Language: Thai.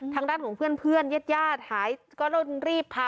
ทางด้านของเพื่อนเพื่อนญาติหายก็เริ่มรีบพา